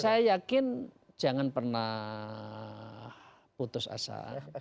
saya yakin jangan pernah putus asa